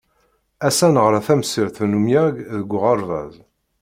Ass-a neɣra tamsirt n umyag deg uɣerbaz.